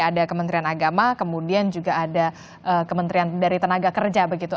ada kementerian agama kemudian juga ada kementerian dari tenaga kerja begitu